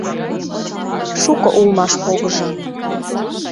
Шуко улмаш погыжо: